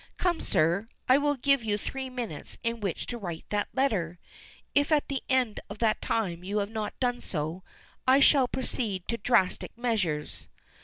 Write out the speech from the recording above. Come, sir, I will give you three minutes in which to write that letter. If at the end of that time you have not done so, I shall proceed to drastic measures."